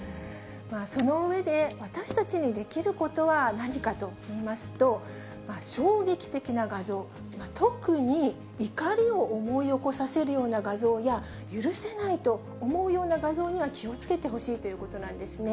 その上で私たちにできることは、何かといいますと、衝撃的な画像、特に怒りを思い起こさせるような画像や、許せないと思うような画像には、気をつけてほしいということなんですね。